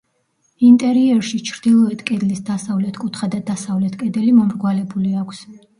ინტერიერში ჩრდილოეთ კედლის დასავლეთ კუთხე და დასავლეთ კედელი მომრგვალებული აქვს.